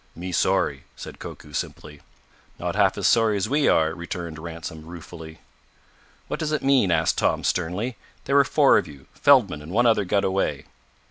"Me sorry," said Koku simply. "Not half as sorry as we are," returned Ransom ruefully. "What does it mean?" asked Tom sternly. "There were four of you. Feldman and one other got away."